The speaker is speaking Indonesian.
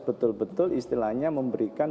betul betul istilahnya memberikan